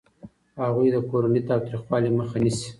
هغوی د کورني تاوتریخوالي مخه نیسي.